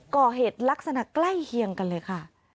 ก่อเหตุลักษณะใกล้เคียงกันเลยค่ะ